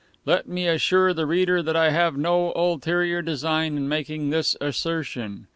Let me assure the reader that I have no ulterior design in making this assertion.